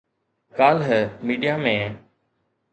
ڪالهه ميڊيا ۾